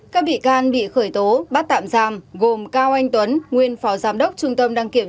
các bị can bị khởi tố bắt tạm giam gồm cao anh tuấn nguyên phó giám đốc trung tâm đăng kiểm